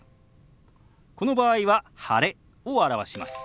この場合は「晴れ」を表します。